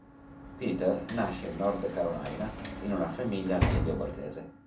Peter nasce in Nord Carolina in una famiglia medio borghese.